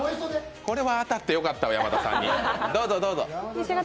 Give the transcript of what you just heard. これは当たってよかったわ、山田さんに。